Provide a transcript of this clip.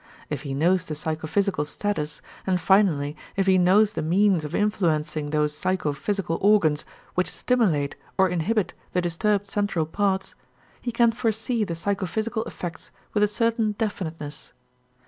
If he knows the psychophysical status, and finally if he knows the means of influencing those psychophysical organs which stimulate or inhibit the disturbed central parts, he can foresee the psychophysical effects with a certain definiteness.